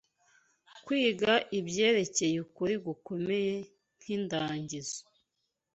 kwiga ibyerekeye ukuri gukomeye nk’indagizo